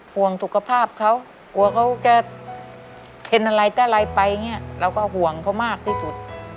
ห่วงสุขภาพเขากลัวเขาจะเป็นอะไรแต่ไรไปอย่างนี้เราก็ห่วงเขามากที่สุด